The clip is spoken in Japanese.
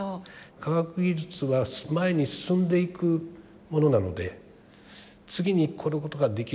科学技術は前に進んでいくものなので次にこのことができる。